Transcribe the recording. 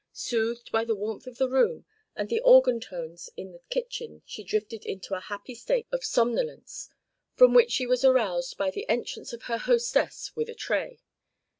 Soothed by the warmth of the room and the organ tones in the kitchen she drifted into a happy state of somnolence, from which she was aroused by the entrance of her hostess with a tray.